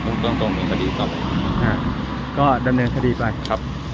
เบื้องต้นก็ในการขนตัวครับ